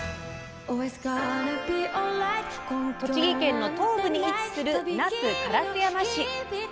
栃木県の東部に位置する那須烏山市。